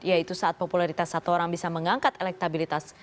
yaitu saat popularitas satu orang bisa mengangkat elektabilitas